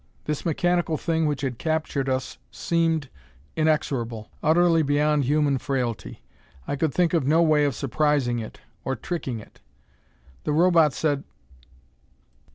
This mechanical thing which had captured us seemed inexorable, utterly beyond human frailty. I could think of no way of surprising it, or tricking it. The Robot said.